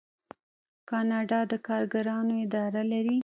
کاناډا د کارګرانو اداره لري.